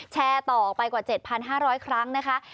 แชร์ต่อไปกว่า๗๕๐๐ครั้งนะคะ